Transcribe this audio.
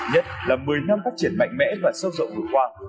nhất là một mươi năm phát triển mạnh mẽ và sâu rộng vừa qua